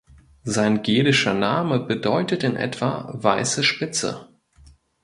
Sein gälischer Name bedeutet in etwa "Weiße Spitze".